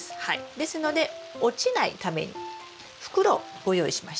ですので落ちないために袋をご用意しました。